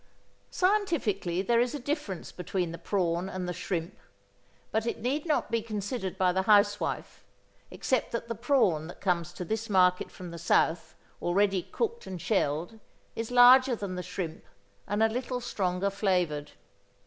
Scientifically there is a difference between the prawn and the shrimp; but it need not be considered by the housewife, except that the prawn, that comes to this market from the South already cooked and shelled, is larger than the shrimp, and a little stronger flavored.